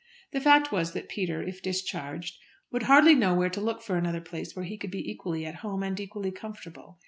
The fact was that Peter, if discharged, would hardly know where to look for another place where he could be equally at home and equally comfortable.